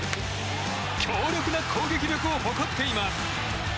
強力な攻撃力を誇っています。